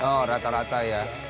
oh rata rata ya